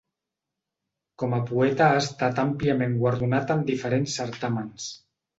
Com a poeta ha estat àmpliament guardonat en diferents certàmens.